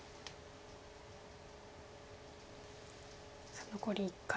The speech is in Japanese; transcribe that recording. さあ残り１回。